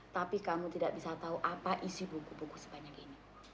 tapi kamu tidak bisa tahu apa isi buku buku sebanyak ini